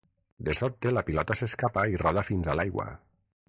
De sobte la pilota s'escapa i roda fins a l'aigua.